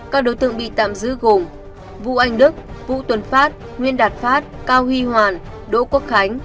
các đối tượng bị tạm giữ gồm vũ anh đức vũ tuần phát nguyên đạt phát cao huy hoàn đỗ quốc khánh